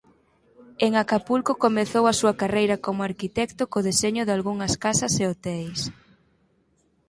En Acapulco comezou a súa carreira como arquitecto co deseño dalgunhas casas e hoteis.